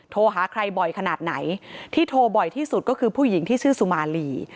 โทรหาใครบ่อยขนาดไหนที่โทรบ่อยที่สุดก็คือผู้หญิงที่ชื่อสุมาลี